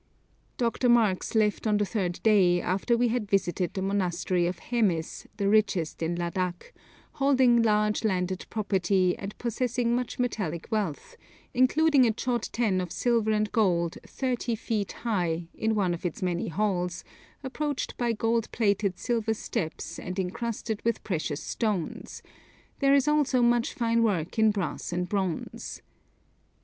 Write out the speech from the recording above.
Dr. Marx left on the third day, after we had visited the monastery of Hemis, the richest in Ladak, holding large landed property and possessing much metallic wealth, including a chod ten of silver and gold, thirty feet high, in one of its many halls, approached by gold plated silver steps and incrusted with precious stones; there is also much fine work in brass and bronze.